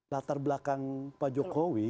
latar belakang pak jokowi